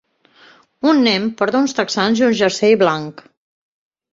Un nen porta uns texans i un jersei blanc.